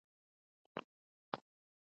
یوازې هڅه پکار ده.